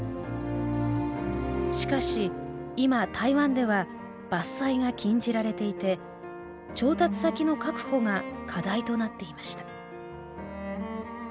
しかし今台湾では伐採が禁じられていて調達先の確保が課題となっていました